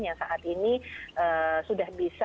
yang saat ini sudah bisa